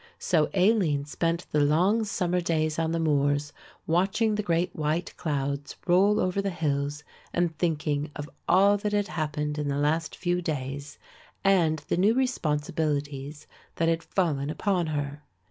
So Aline spent the long summer days on the moors watching the great white clouds roll over the hills and thinking of all that had happened in the last few days and the new responsibilities that had fallen upon her.